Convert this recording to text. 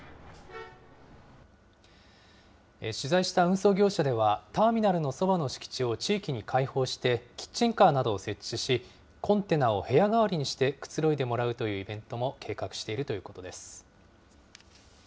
取材した運送業者では、ターミナルのそばの敷地を地域に開放して、キッチンカーなどを設置し、コンテナを部屋代わりにしてくつろいでもらうというイベントも計画しているということです。